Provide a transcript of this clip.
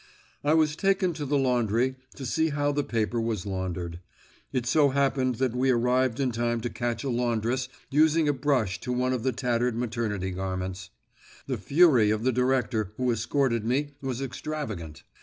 I was taken to the laundry to see how the paper was laundered. It so happened that we arrived in time to catch a laundress using a brush to one of the tattered maternity garments. The fury of the Director, who escorted me, was extravagant.